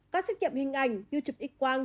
các xét nghiệm hình ảnh như chụp x quang